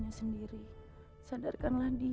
aku nggak nyangka di